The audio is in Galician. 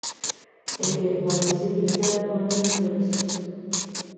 E que, malia ser inicial, non é menos realista.